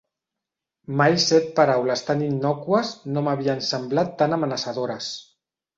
Mai set paraules tan innòcues no m'havien semblat tan amenaçadores.